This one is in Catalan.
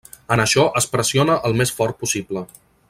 En això es pressiona el més fort possible.